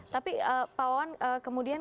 tapi pak wan kemudian